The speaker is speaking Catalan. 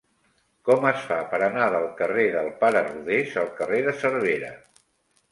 Com es fa per anar del carrer del Pare Rodés al carrer de Cervera?